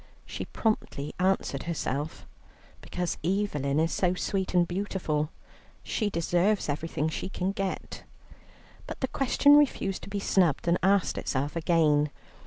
She promptly answered herself, "Because Evelyn is so sweet and beautiful, she deserves everything she can get." But the question refused to be snubbed, and asked itself again.